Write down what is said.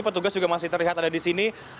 petugas juga masih terlihat ada di sini